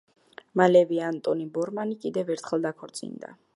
მალევე, ანტონი ბორმანი კიდევ ერთხელ დაქორწინდა.